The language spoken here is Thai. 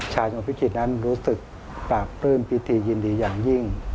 ชาวจังหวัดพิจิตย์รู้สึกลากลืมปิติยินดีอย่างยิ่ง